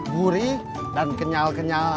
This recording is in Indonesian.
gurih dan kenyal kenyal